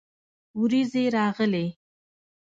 ورېځې راغلې